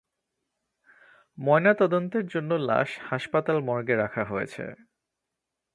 ময়নাতদন্তের জন্য লাশ হাসপাতাল মর্গে রাখা হয়েছে।